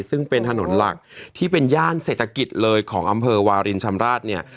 ซึ่งเป็นถนนหลักที่เป็นย่านเศรษฐกิจเลยของอำเภอวารินชำราบเนี่ย